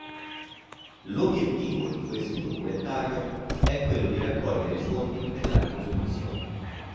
L'obiettivo di questo documentario è quello di raccogliere fondi per la ricostruzione.